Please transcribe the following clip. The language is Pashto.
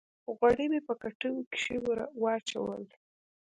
غوړي مې په کټوۍ کښې ور واچول